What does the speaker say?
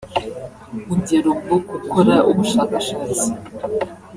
ugera ubwo kukora ubushakashatsi